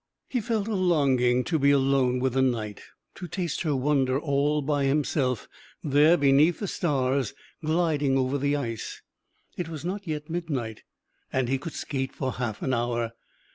He felt a longing to be alone with the night; to taste her wonder all by himself there beneath the stars, gliding over the ice. It was not yet midnight, and he could skate for half an hour.